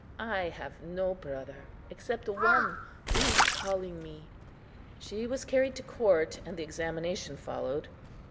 I have no brother, except One, who is calling me." She was carried to court, and the examination followed.